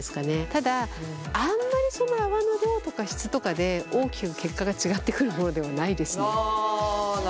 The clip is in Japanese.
ただあんまりその泡の量とか質とかで大きく結果が違ってくるものではないですね。